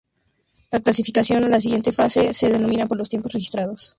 La clasificación a la siguiente fase se determina por los tiempos registrados.